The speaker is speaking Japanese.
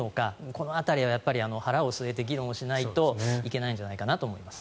この辺りは腹を据えて議論しないといけないんじゃないかなと思います。